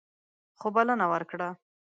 خو بلنه ورکړه.